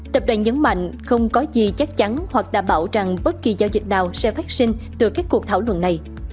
tập đoàn nhấn mạnh không có gì chắc chắn hoặc đảm bảo rằng bất kỳ giao dịch nào sẽ phát sinh từ các cuộc thảo luận này